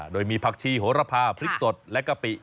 โดยมีผักชีโหระพาพริกสดและกะปิ